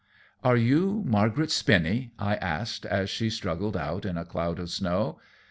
"Are you Margaret Spinny?" I asked as she struggled out in a cloud of snow.